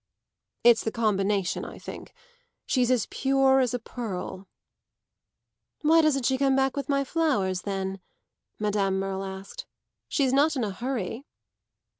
"It's the combination, I think. She's as pure as a pearl." "Why doesn't she come back with my flowers then?" Madame Merle asked. "She's not in a hurry."